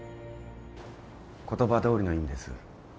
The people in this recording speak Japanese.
言葉どおりの意味です。